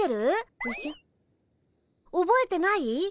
おぼえてない？